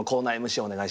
お願いします。